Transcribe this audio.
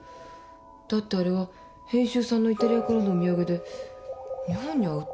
だってあれは編集さんのイタリアからのお土産で日本には売ってないはずだけど。